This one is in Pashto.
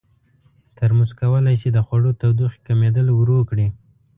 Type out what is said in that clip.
ترموز کولی شي د خوړو تودوخې کمېدل ورو کړي.